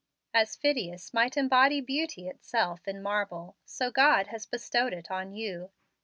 As Phidias might embody beauty itself in marble, so God has bestowed it on you.